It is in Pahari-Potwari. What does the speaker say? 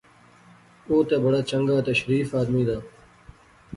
او تے بڑا چنگا تے شریف آدمی دا